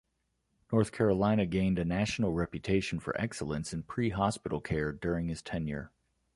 North Carolina gained a national reputation for excellence in pre-hospital care during his tenure.